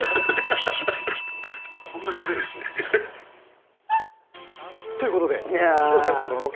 こんなしゃべるんすね。ということで、広末さんとのロケ。